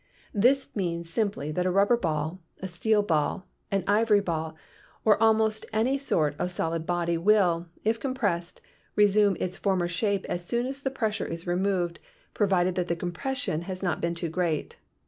This means simply that a rubber ball, a steel ball, an ivory ball or almost any sort of solid body will, if com pressed, resume its former shape as soon as the pressure is removed, provided that the compression has not been too great.